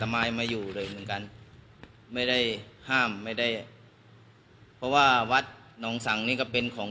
มายมาอยู่เลยเหมือนกันไม่ได้ห้ามไม่ได้เพราะว่าวัดหนองสังนี่ก็เป็นของ